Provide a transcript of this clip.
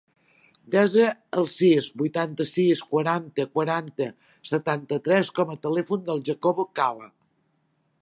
Desa el sis, vuitanta-sis, quaranta, quaranta, setanta-tres com a telèfon del Jacobo Cala.